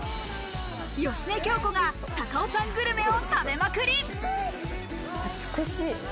芳根京子が高尾山グルメを食べまくり。